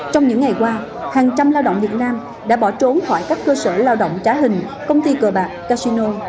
trong những ngày qua hàng trăm lao động việt nam đã bỏ trốn khỏi các cơ sở lao động trá hình công ty cờ bạc casino